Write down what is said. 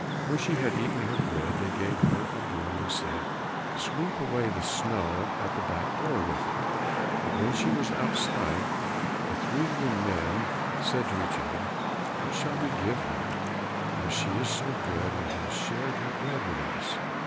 When she had eaten her bread, they gave her a broom and said, "Sweep away the snow at the back door with it." But when she was outside, the three little men said to each other, "What shall we give her as she is so good, and has shared her bread with us?"